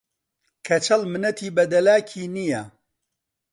کەچەڵ منەتی بە دەلاکی نییە